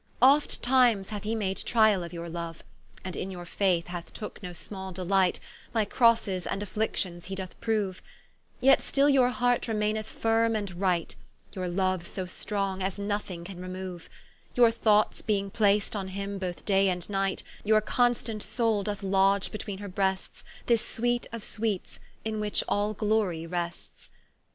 Oft times hath he made triall of your loue, And in your Faith hath tooke no small delight, By Crosses and Afflictions he doth proue, Yet still your heart remaineth firme and right; Your loue so strong, as nothing can remoue, Your thoughts beeing placed on him both day and night, Your constant soule doth lodge beweene her brests, This Sweet of sweets, in which all glory rests.